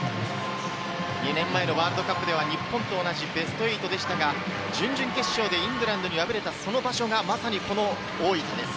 ２年前のワールドカップでは日本と同じベスト８でしたが、準々決勝でイングランドに敗れたその場所がまさにこの大分です。